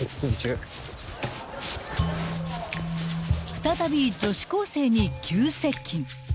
［再び女子高生に急接近］